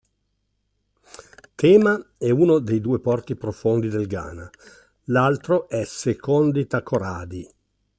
Tema è uno dei due porti profondi del Ghana, l'altro è Sekondi-Takoradi.